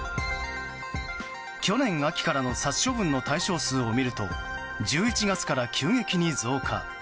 去年秋からの殺処分の対象数を見ると１１月から急激に増加。